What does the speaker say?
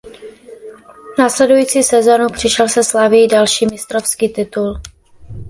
Následující sezonu přišel se Slavií další mistrovský titul.